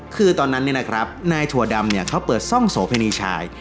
คือตอนนั้นเนี้ยนะครับนายถั่วดำเนี้ยเขาเปิดซ่องโสเภณีชาย